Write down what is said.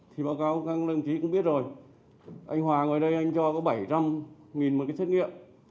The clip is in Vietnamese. thì báo cáo các đồng chí cũng biết rồi anh hòa ngồi đây anh cho có bảy trăm linh một cái xét nghiệm